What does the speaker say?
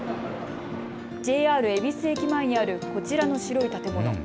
恵比寿駅前にあるこちらの白い建物。